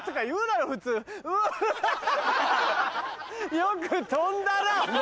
よく飛んだなお前。